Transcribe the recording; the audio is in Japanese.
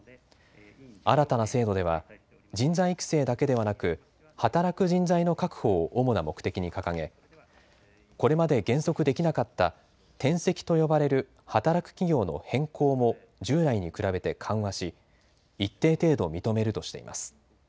新たな制度では人材育成だけではなく働く人材の確保を主な目的に掲げこれまで原則できなかった転籍と呼ばれる働く企業の変更も従来に比べて緩和し一定程度認めるとしています。